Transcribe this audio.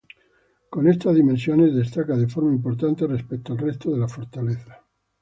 Con estas dimensiones, destaca de forma importante respecto al resto de la fortaleza.